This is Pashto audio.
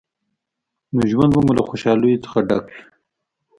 نو ژوند به مو له خوشحالیو څخه ډک وي.